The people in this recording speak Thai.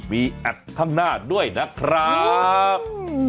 มีแอดข้างหน้าด้วยนะครับ